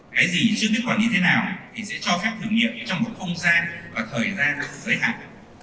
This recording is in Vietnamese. cái gì chứ biết quản lý thế nào thì sẽ cho phép thử nghiệm trong một không gian và thời gian giới hạn